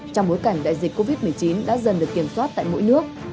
trong bối cảnh đại dịch covid một mươi chín đã dần được kiểm soát tại mỗi nước